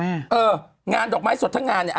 เอองานดอกไม้สดท้ายทั้งงานนะ